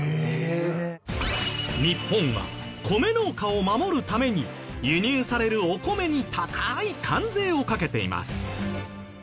日本は米農家を守るために輸入されるお米に高い関税をかけています。